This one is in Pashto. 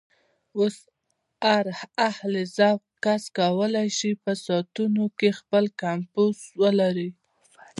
اوس هر اهل ذوق کس کولی شي په ساعتونو کې خپل کمپوز ولري.